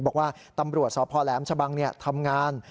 บอกว่าตำรวจสอบภอแหลมชะบังเนี่ยทำงาน